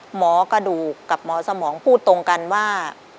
หมอกระดูกกับหมอสมองพูดตรงกันว่า